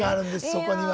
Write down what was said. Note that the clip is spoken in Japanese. そこには。